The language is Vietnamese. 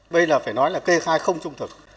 đây là phải nói là kê khai không trung thực